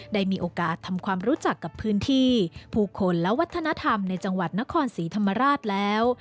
ได้มีโอกาสทำความรู้จักกับพื้นที่ผู้คนและวัฒนธรรมในจังหวัดนครศรีธรรมราชแล้ว